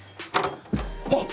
あっ！